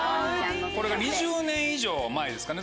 これが２０年以上前ですかね。